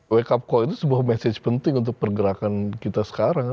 wake up call itu sebuah message penting untuk pergerakan kita sekarang